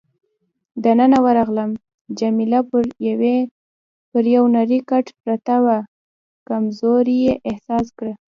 دننه ورغلم، جميله پر یو نرۍ کټ پرته وه، کمزوري یې احساس کړه.